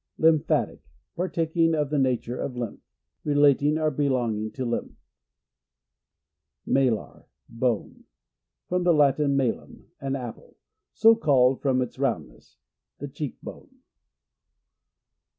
Lymphatic. — Partaking of the nature of lymph. Relating or belonging to lymph. Malar — (bone.) — From the Latin, malum, an apple ; so called from its roundness. The cheek bone.